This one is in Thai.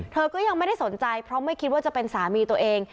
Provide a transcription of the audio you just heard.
เธอก็ยังไม่ได้สนใจเพราะไม่คิดว่าจะเป็นสามีตัวเอง